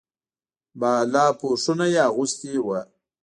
بالاپوشونه یې اغوستي وو.